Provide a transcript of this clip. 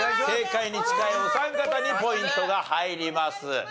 正解に近いお三方にポイントが入ります。